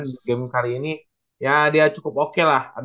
di game kali ini ya dia cukup oke lah